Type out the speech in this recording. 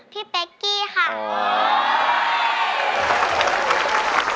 พี่เป๊กกี้ค่ะ